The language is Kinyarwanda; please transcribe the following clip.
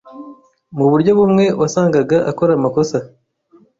muburyo bumwe wasangaga akora amakosa